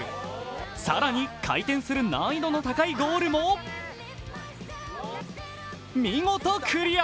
更に、回転する難易度の高いゴールも見事クリア。